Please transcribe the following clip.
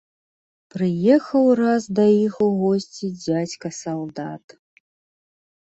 Прыехаў раз да іх у госці дзядзька салдат.